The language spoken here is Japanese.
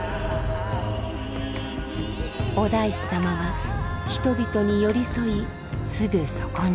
お大師様は人々に寄り添いすぐそこに。